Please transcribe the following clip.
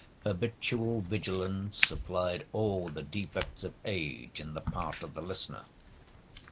Habitual vigilance supplied all the defects of age on the part of the listener.